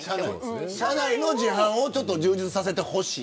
車内の自販機を充実させてほしい。